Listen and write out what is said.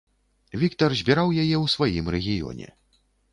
Віктар збіраў яе ў сваім рэгіёне.